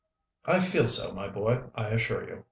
"I feel so, my boy, I assure you.